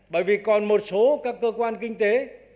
bởi vì còn một số các cơ quan kinh tế